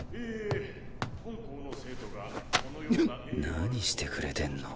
何してくれてんの？